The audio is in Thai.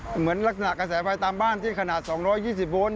เหมือนลักษณะกระแสไฟตามบ้านที่ขนาด๒๒๐โวลต์